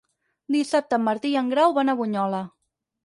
Dissabte en Martí i en Grau van a Bunyola.